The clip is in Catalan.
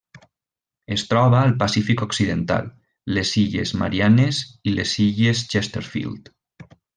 Es troba al Pacífic occidental: les Illes Mariannes i les Illes Chesterfield.